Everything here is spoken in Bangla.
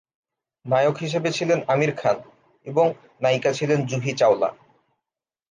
নায়ক হিসেবে ছিলেন আমির খান এবং নায়িকা ছিলেন জুহি চাওলা।